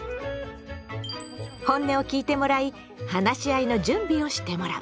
本音を聞いてもらい話し合いの準備をしてもらう。